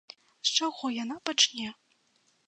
З чаго яна пачне?